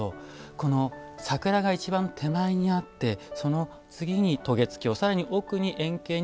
この桜が一番手前にあってその次に渡月橋更に奥に遠景に山々が広がると。